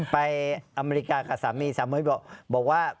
อเมริกากับสามีสามีบอกว่า